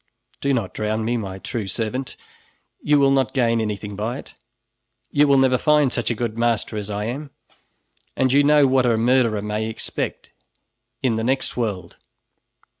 "Do not drown me, my true servant, you will not gain anything by it. You will never find such a good master as I am, and you know what a murderer may expect in the next world."